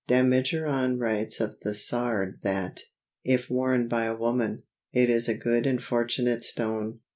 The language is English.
Damigeron writes of the sard that, if worn by a woman, it is a good and fortunate stone.